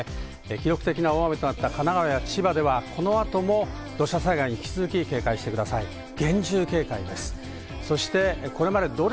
記録的な大雨となった神奈川、千葉ではこの後も土砂災害に警戒してください。